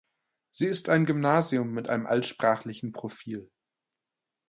Sie ist ein Gymnasium mit einem altsprachlichen Profil.